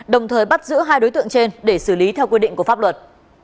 đồng thời bắt giữ hai đối tượng trên để xử lý theo quy định của pháp luật